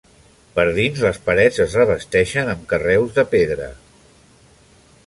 Per dins, les parets es revesteixen amb carreus de pedra.